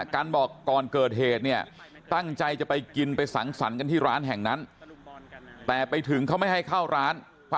คนมือเปล่าไม่มีใครเกินไปหรอก